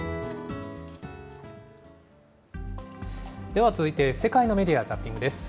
では続いて、世界のメディア・ザッピングです。